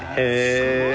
すごい。